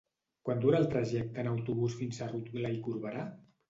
Quant dura el trajecte en autobús fins a Rotglà i Corberà?